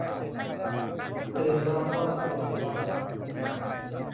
ตื่นมาเพราะปวดหัว